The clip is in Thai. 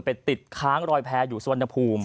ไปติดค้างรอยแพ้อยู่สุวรรณภูมิ